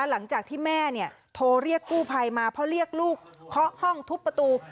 หลังจากที่แม่โทรเรียกกู้ภัยมาเพราะเรียกลูกเคาะห้องทุบประตู